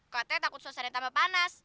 katanya takut suasana tambah panas